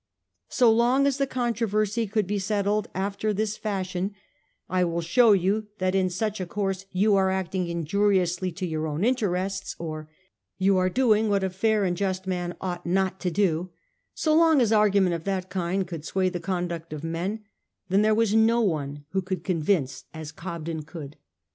So long as the controversy could be settled after this fashion — 'I will show you that in such a course you are acting injuriously to your own interests ;' or 'You are doing what a fair and just man ought not to do' — so long as argument of that kind could sway the conduct of men, then there was no one who could convince as Cobden could.